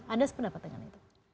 ada pendapat dengan itu